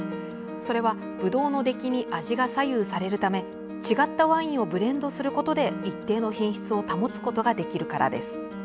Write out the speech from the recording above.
それはブドウの出来に味が左右されるため違ったワインをブレンドすることで一定の品質を保つことができるからです。